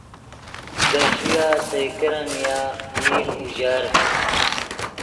دے ݰویہ سئے کرن نیا میر اوژر